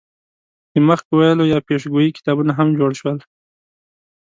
د مخکې ویلو یا پیشګویۍ کتابونه هم جوړ شول.